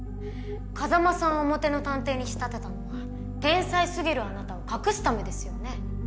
風真さんを表の探偵に仕立てたのは天才過ぎるあなたを隠すためですよね。